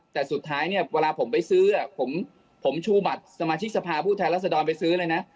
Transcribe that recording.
แต่สุดท้ายเนี่ยเวลาผมไปซื้อผมชูบัตรสมาชิกสภาพผู้แทนรัศดรไปซื้อเลยนะ